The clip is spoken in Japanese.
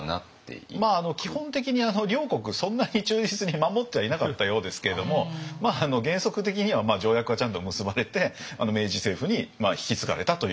基本的に両国そんなに忠実に守ってはいなかったようですけれども原則的には条約はちゃんと結ばれて明治政府に引き継がれたということですよね。